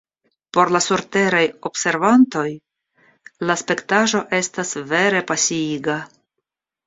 Por la surteraj observantoj la spektaĵo estas vere pasiiga!